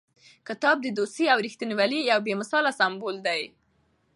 کتاب د دوستۍ او رښتینولۍ یو بې مثاله سمبول دی.